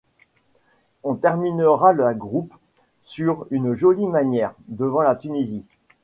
On termina la groupe sur une jolie manière, devant la Tunisie.